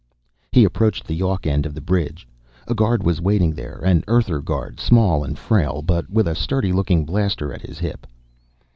He approached the Yawk end of the bridge. A guard was waiting there an Earther guard, small and frail, but with a sturdy looking blaster at his hip.